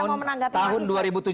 oke silahkan ditanggapi sedikit